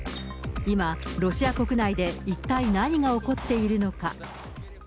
今、ロシア国内で一体何が起こっているのか。